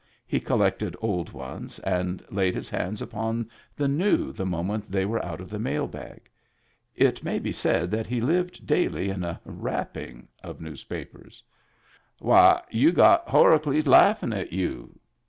He collected old ones, and laid his hands upon the new the moment they were out of the mail bag. It may be said that he lived daily in a wrapping of news papers. " Why, you have got Horacles laughing at you."